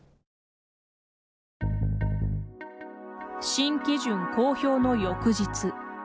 新基準公表の翌日。